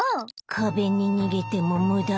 壁に逃げてもムダ。